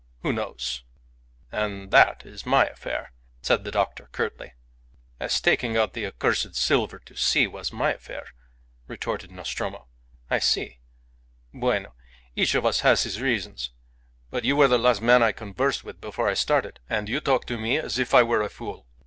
Who knows?" "And that is my affair," said the doctor, curtly. "As taking out the accursed silver to sea was my affair," retorted Nostromo. "I see. Bueno! Each of us has his reasons. But you were the last man I conversed with before I started, and you talked to me as if I were a fool."